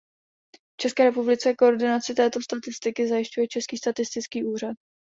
V České republice koordinaci této statistiky zajišťuje Český statistický úřad.